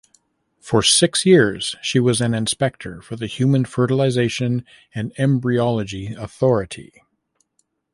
For six years she was an Inspector for the Human Fertilisation and Embryology Authority.